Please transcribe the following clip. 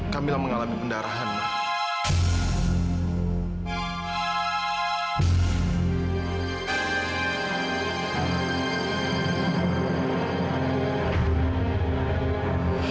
kamila mengalami pendarahan ma